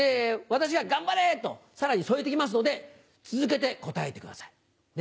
私が頑張れー！とさらに添えていきますので、続けて答えてください。